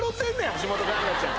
橋本環奈ちゃん。